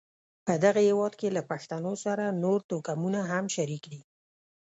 په دغه هېواد کې له پښتنو سره نور توکمونه هم شریک دي.